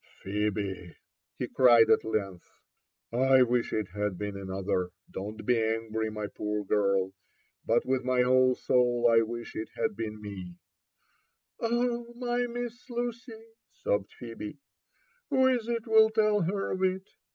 ''Phebe!" he cried at length, I wish it had been anpther : don't be angry, my poor girl but with my whole soul I wish it had been me I" *' Oh, my Miss Lucy!" sobbed Phebe, who is it will tell her of it